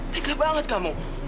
tega banget kamu